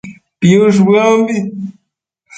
piush bëombi